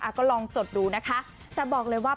ก็ลองจดดูนะคะแต่บอกเลยว่า